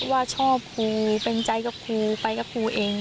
ว่าชอบครูเป็นใจกับครูไปกับครูเอง